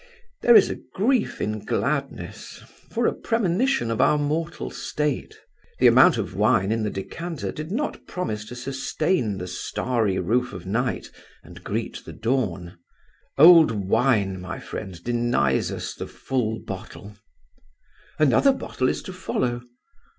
There is a grief in gladness, for a premonition of our mortal state. The amount of wine in the decanter did not promise to sustain the starry roof of night and greet the dawn. "Old wine, my friend, denies us the full bottle!" "Another bottle is to follow."